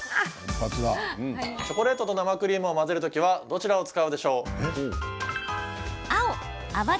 チョコレートと生クリームを混ぜる時はどちらを使うでしょう？